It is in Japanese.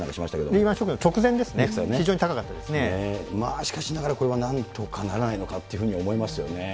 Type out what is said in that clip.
リーマンショックの直前ですしかしながらこれはなんとかならないのかというふうに思いますよね。